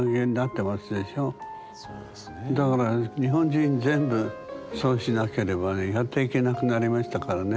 だから日本人全部そうしなければねやっていけなくなりましたからね。